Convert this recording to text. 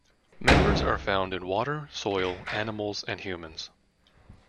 Members are found in water, soil, animals and humans.